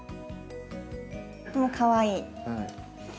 これもかわいい。